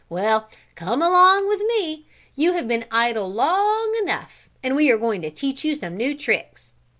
Well, come along with me; you have been idle long enough, and we are going to teach you some new tricks."